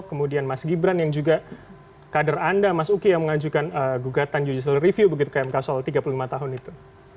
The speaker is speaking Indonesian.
kemudian mas gibran yang juga kader anda mas uki yang mengajukan gugatan judicial review begitu ke mk soal tiga puluh lima tahun itu